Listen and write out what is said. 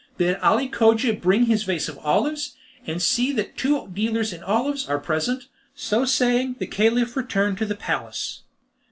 Bid Ali Cogia bring his vase of olives, and see that two dealers in olives are present." So saying the Caliph returned to the palace.